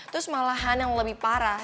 terus malahan yang lebih parah